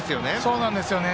そうなんですね。